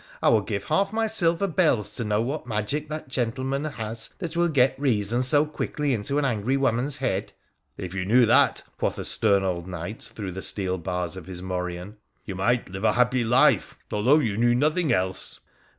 I would give half my silver bells to know what magic that gentleman has that will get reason so quickly into an angry woman's head.' h2 iSo WONDERFUL ADVENTURES OF ' If you knew that,' quoth a stern old knight through the Bteel bars of his morion, ' you might live a happy life, although you knew nothing else.'